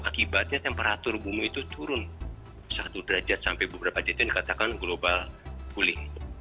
akibatnya temperatur bumi itu turun satu derajat sampai beberapa derajat yang dikatakan global cooling